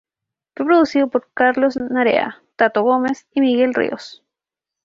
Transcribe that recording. Fue producido por Carlos Narea, Tato Gómez y Miguel Ríos.